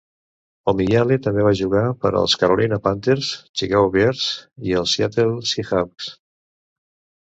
Omiyale també va jugar per els Carolina Panthers, Chicago Bears i els Seattle Seahawks.